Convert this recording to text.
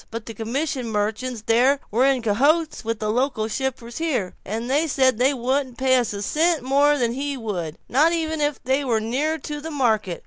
But the commission merchants there were in cahoots with the local shipper here; they said they wouldn't pay us a cent more than he would, not even if they was nearer to the market.